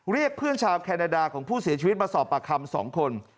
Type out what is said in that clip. เรียกเพื่อนชาวแคนาดาของผู้เสียชีวิตมาสอบปากคำ๒คน